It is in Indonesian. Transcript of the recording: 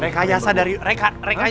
rekayasa dari reka